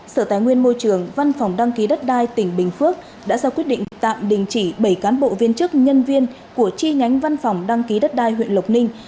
sở tài nguyên môi trường văn phòng đăng ký đất đai tỉnh bình phước đã ra quyết định tạm đình chỉ bảy cán bộ viên chức nhân viên của chi nhánh văn phòng đăng ký đất đai huyện lộc ninh